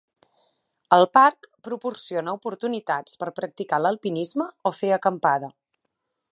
El parc proporciona oportunitats per practicar l'alpinisme o fer acampada.